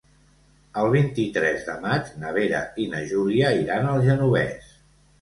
El vint-i-tres de maig na Vera i na Júlia iran al Genovés.